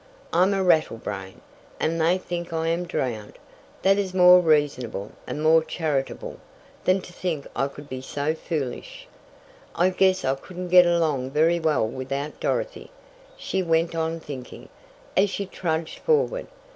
I'm a rattle brain; and they think I am drowned. That is more reasonable, and more charitable, than to think I could be so foolish." "I guess I couldn't get along very well without Dorothy," she went on thinking, as she trudged forward.